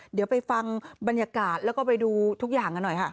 เดี๋ยวไปฟังบรรยากาศแล้วก็ไปดูทุกอย่างกันหน่อยค่ะ